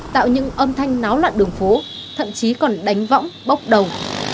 tạo những âm thanh náo loạn đường phố thậm chí còn đánh võng bốc đầu